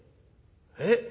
「えっ？